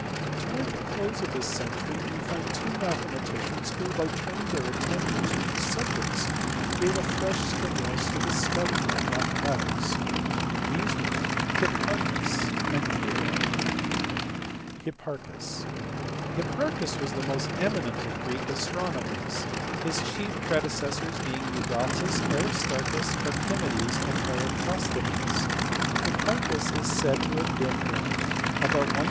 Towards the close of this century we find two mathema ticians who, by turning their attention to new subjects, gave a fresh stimulus to the study of mathematics. These were Hipparchus and Hero. Hipparchus*. Hipparchus was the most eminent of Greek astronomers his chief predecessors being Eudoxus, Aristarchus, Archimedes, and Eratosthenes. Hipparchus is said to have been born about 160B.